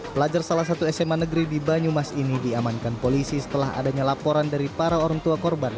pelajar salah satu sma negeri di banyumas ini diamankan polisi setelah adanya laporan dari para orang tua korban